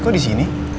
kok di sini